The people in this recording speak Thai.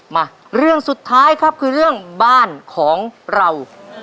มาเรื่องสุดท้ายครับคือเรื่องบ้านของเรา